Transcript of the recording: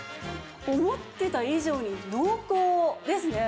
思ってた以上に濃厚ですね。